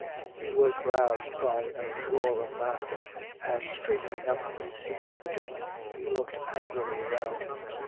He was roused by a roar of laughter, and straightening up in his seat with a jerk he looked angrily around.